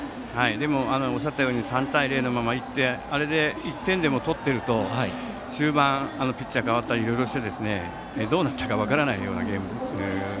でもおっしゃったように３対０でいってあれで１点でも取っていると中盤、ピッチャーが代わったりいろいろしてどうなったか分からない